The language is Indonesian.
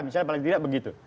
misalnya apalagi tidak begitu